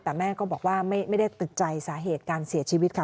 แต่แม่ก็บอกว่าไม่ได้ติดใจสาเหตุการเสียชีวิตค่ะ